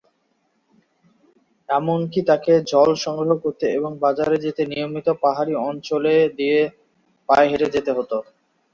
এমনকি তাকে জল সংগ্রহ করতে এবং বাজারে যেতে নিয়মিত পাহাড়ী অঞ্চলে দিয়ে পায়ে হেঁটে যেতে হত।